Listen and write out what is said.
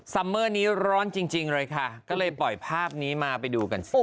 ค่ะนี้ร้อนจริงจริงเลยค่ะก็เลยปล่อยภาพนี้มาไปดูกัน